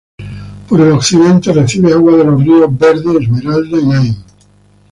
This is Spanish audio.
Por el occidente recibe aguas de los ríos Verde, Esmeralda, Naim.